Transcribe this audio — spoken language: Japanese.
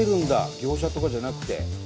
業者とかじゃなくて。